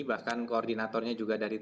bahkan koordinatornya juga dari